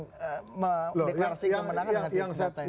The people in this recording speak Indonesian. deklarasi dengan menang